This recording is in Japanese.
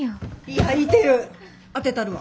いやいてる。